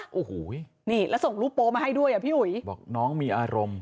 โอ้โหนี่แล้วส่งรูปโป๊มาให้ด้วยอ่ะพี่อุ๋ยบอกน้องมีอารมณ์